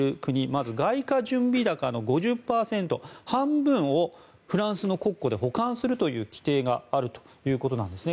まず、外貨準備高の５０％を半分をフランスの国庫で保管するという規定があるということです。